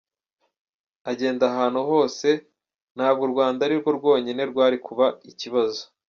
Agenda ahantu hose, ntabwo u Rwanda arirwo rwonyine rwari kuba ikibazo.